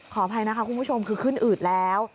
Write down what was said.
ขออภัยนะคะคุณผู้ชมคือขึ้นอืดแล้ว